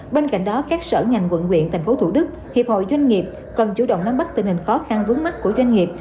bên cạnh đó các sở ngành quận quyện tp thủ đức hiệp hội doanh nghiệp cần chủ động nắm bắt tình hình khó khăn vướng mắt của doanh nghiệp